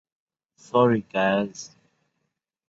Sorry, guys.